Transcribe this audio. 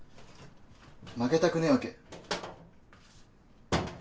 負けたくねぇわけ。